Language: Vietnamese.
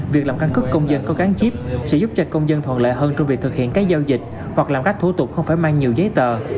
việc làm căn cứ công dân có gắn chip sẽ giúp cho công dân thuận lợi hơn trong việc thực hiện các giao dịch hoặc làm các thủ tục không phải mang nhiều giấy tờ